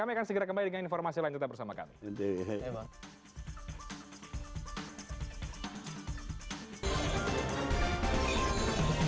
kami akan segera kembali dengan informasi lain tetap bersama kami